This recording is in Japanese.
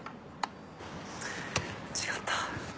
違った。